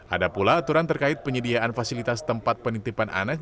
ada pula aturan terkait penyediaan fasilitas tempat penitipan anak